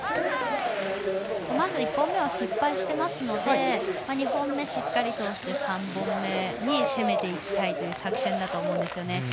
まず１本目、失敗していますので２本目しっかり通して３本目に攻めていきたいという作戦だと思いますね。